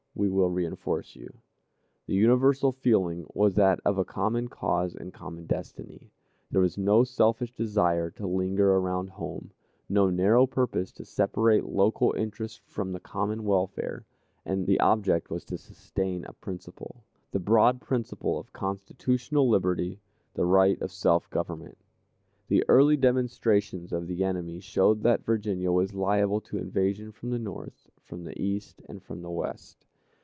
We will reënforce you." The universal feeling was that of a common cause and common destiny. There was no selfish desire to linger around home, no narrow purpose to separate local interests from the common welfare. The object was to sustain a principle the broad principle of constitutional liberty, the right of self government. The early demonstrations of the enemy showed that Virginia was liable to invasion from the north, from the east, and from the west.